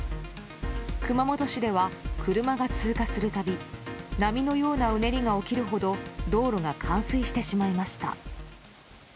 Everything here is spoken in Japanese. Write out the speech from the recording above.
熊本市では車が通過するたび波のようなうねりが起きるほど道路が冠水してしまいました。